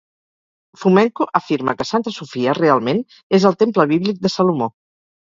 Fomenko afirma que Santa Sofia realment és el temple bíblic de Salomó.